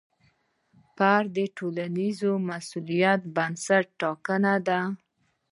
د فرد د ټولنیز مسوولیت بنسټ ټاکنه ده.